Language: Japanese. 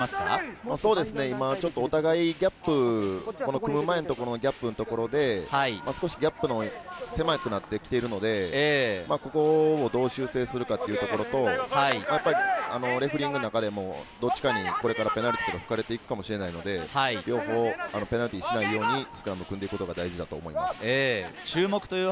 お互い組む前のところのギャップのところで、狭くなってきているので、ここをどう修正するかというところと、レフェリングの中でもどちらかにペナルティーが置かれていくかもしれないので、両方、ペナルティーを取られないようにスクラムを組んでいくことが大事だと思います。